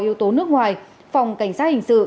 yếu tố nước ngoài phòng cảnh sát hình sự